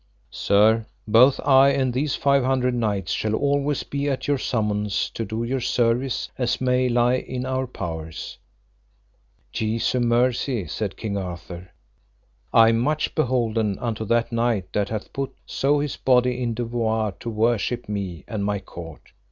Sir, both I and these five hundred knights shall always be at your summons to do you service as may lie in our powers. Jesu mercy, said King Arthur, I am much beholden unto that knight that hath put so his body in devoir to worship me and my court.